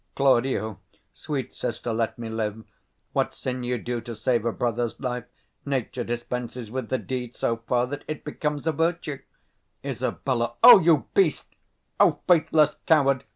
Claud. Sweet sister, let me live: 130 What sin you do to save a brother's life, Nature dispenses with the deed so far That it becomes a virtue. Isab. O you beast! O faithless coward!